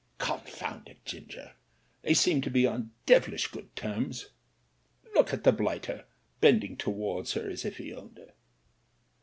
"Confound it, Ginger ! they seem to be on devilish good terms. Look at the blighter, bending towards her as if he owned her."